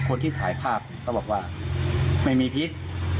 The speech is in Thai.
คนที่ถ่ายภาพก็บอกว่าไม่มีพิษ